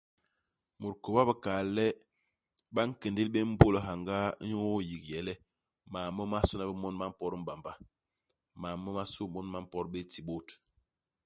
Mut kôba a bikal le ba nkéndél bé mbôl i hyangaa inyu iyigye le mam momasona bé mon ba mpot i mbamba ; mam momasô mon ba mpot bé i ti i bôt.